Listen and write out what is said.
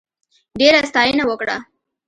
ډېره ستاینه وکړه.